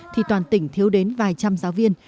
thì toàn tỉnh thiếu đến vài trăm giáo viên